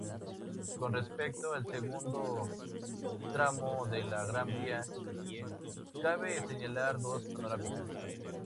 Con respecto al segundo tramo de la Gran Vía, cabe señalar dos panorámicas.